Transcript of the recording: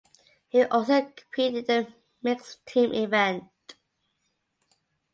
He also competed in the mixed team event.